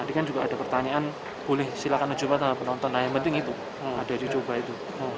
tadi kan juga ada pertanyaan boleh silakan mencoba tanpa penonton nah yang penting itu ada dicoba itu